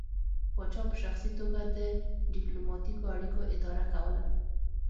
پاچا په شخصي توګه د ډیپلوماتیکو اړیکو اداره کوله